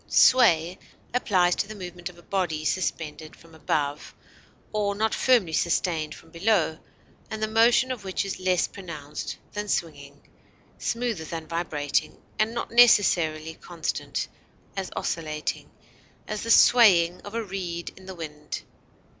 Sway applies to the movement of a body suspended from above or not firmly sustained from below, and the motion of which is less pronounced than swinging, smoother than vibrating, and not necessarily constant as oscillating; as, the swaying of a reed in the wind.